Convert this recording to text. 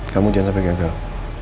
kamu jangan sampai gagal